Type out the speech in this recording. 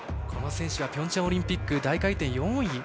この選手はピョンチャンオリンピック大回転４位。